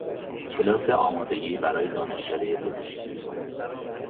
کلاس آمادگی برای دانشکدهی پزشکی